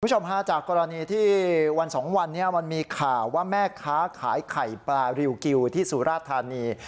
คุณผู้ชมฮาจากกรณีที่วันสองวันนี้มันมีข่าวว่าแม่ค้าขายไข่ปลาริวกิวที่สุราธานี